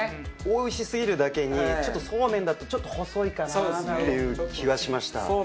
おいしすぎるだけにそうめんだとちょっと細いかなっていう気はしました。